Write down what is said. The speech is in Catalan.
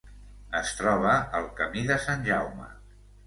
Es troba al camí de Sant Jaume.